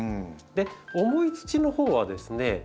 重い土のほうはですね